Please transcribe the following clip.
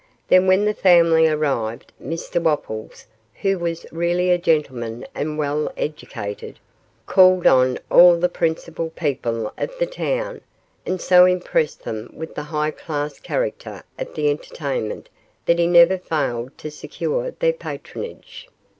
Then when the family arrived Mr Wopples, who was really a gentleman and well educated, called on all the principal people of the town and so impressed them with the high class character of the entertainment that he never failed to secure their patronage.